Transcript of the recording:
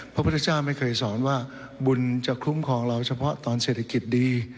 พระพุทธเจ้าไม่เคยสอนว่าบุญจะคุ้มครองเราเฉพาะตอนเศรษฐกิจดี